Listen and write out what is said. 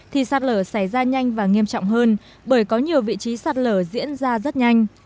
thì sạt lở xảy ra nhanh và nghiêm trọng hơn bởi có nhiều vị trí sạt lở diễn ra rất nhanh